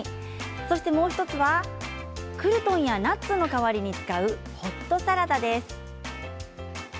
そして、もう１つはクルトンやナッツを代わりに使うホットサラダです。